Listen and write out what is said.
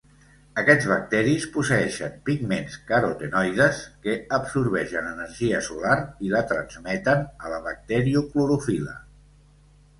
Aquests bacteris posseeixen pigments carotenoides que absorbeixen energia solar i la transmeten a la bacterioclorofil·la.